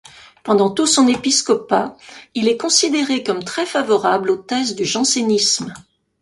Pendant tout son épiscopat il est considéré comme très favorable aux thèses du jansénisme.